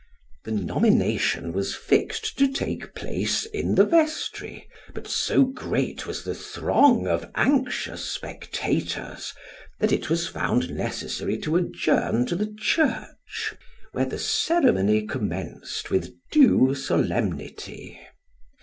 The nomination was fixed to take place in the vestry, but so great was the throng of anxious spectators, that it was found necessary to adjourn to the church, where the ceremony commenced with due solemnity.